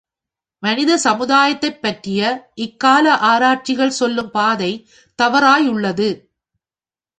மனித சமுதாயத்தைப் பற்றிய இக் கால ஆராய்ச்சிகள் சொல்லும் பாதை தவறாயுள்ளது.